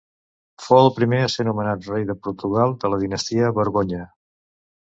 Fou el primer a ser nomenat rei de Portugal de la dinastia Borgonya.